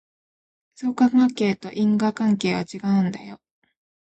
相関関係と因果関係は違うんだよ